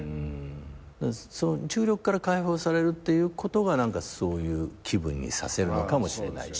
重力から解放されるってことがそういう気分にさせるのかもしれないし。